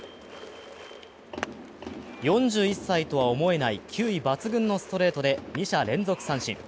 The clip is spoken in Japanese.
４１歳とは思えない球威抜群のストレートで二者連続三振。